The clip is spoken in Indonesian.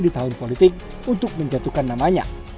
di tahun politik untuk menjatuhkan namanya